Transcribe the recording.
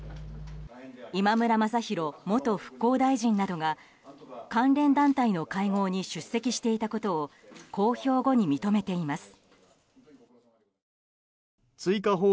今村雅弘元復興大臣などが関連団体の会合に出席していたことを公表後に認めています。